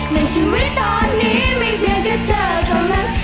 ในชีวิตตอนนี้มีเพียงกับเธอเธอแหม่ง